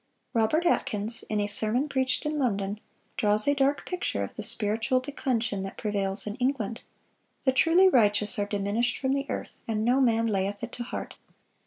Robert Atkins, in a sermon preached in London, draws a dark picture of the spiritual declension that prevails in England: "The truly righteous are diminished from the earth, and no man layeth it to heart.